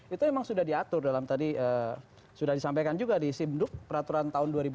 itu memang sudah diatur dalam tadi sudah disampaikan juga di simduk peraturan tahun dua ribu dua puluh